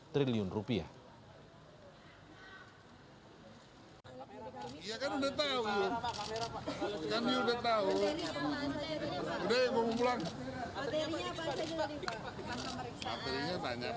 tiga tujuh triliun rupiah